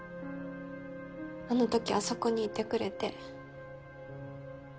あのときあそこにいてくれて。